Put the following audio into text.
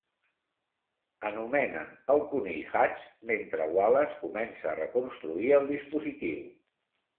Anomenen el conill Hutch mentre Wallace comença a reconstruir el dispositiu.